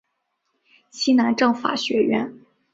西南政法学院。